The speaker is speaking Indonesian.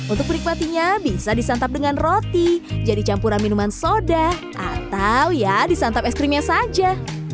untuk menikmatinya bisa disantap dengan roti jadi campuran minuman soda atau ya disantap es krimnya saja